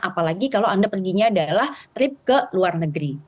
apalagi kalau anda perginya adalah trip ke luar negeri